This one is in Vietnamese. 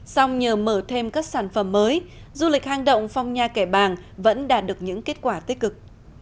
song nhờ mở thêm các sản phẩm mới du lịch hang động phong nha kẻ bàng vẫn đạt được những kết quả tích cực